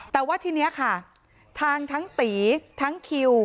แต่ว่าทีนี้ค่ะทางทั้งตีทั้งคิว